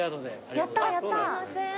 やったやった！